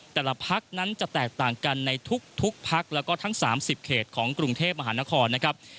แต่ละพักนั้นจะแตกต่างกันในทุกพักแล้วก็ทั้ง๓๐เขตของกรุงเทพมหานครนะครับ